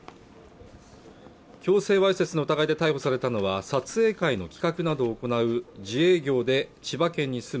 強制わいせつの疑いで逮捕されたのは撮影会の企画などを行う自営業で千葉県に住む